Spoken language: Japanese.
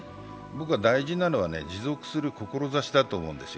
大事なのは持続する志だと思うんですよ。